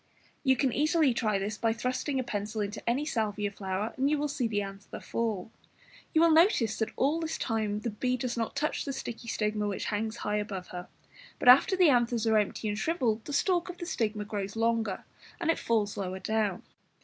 you can easily try this by thrusting a pencil into any Salvia flower, and you will see the anther fall. You will notice that all this time the be does not touch the sticky stigma which hangs high above her, but after the anthers are empty and shrivelled the stalk of the stigma grows longer, and it falls lower down.